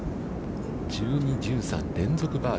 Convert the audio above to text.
１２、１３、連続バーデ